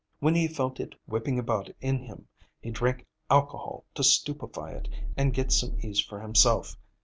When he felt it whipping about in him, he drank alcohol to stupefy it and get some ease for himself.